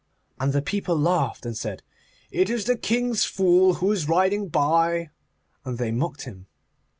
And the people laughed and said, 'It is the King's fool who is riding by,' and they mocked him.